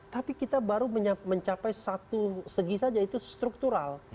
tapi kita baru mencapai satu segi saja itu struktural